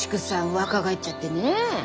若返っちゃってねえ。